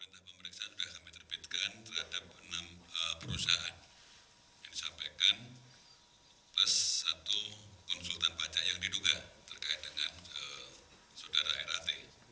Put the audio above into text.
terhadap enam perusahaan yang disampaikan plus satu konsultan pajak yang diduga terkait dengan saudara rat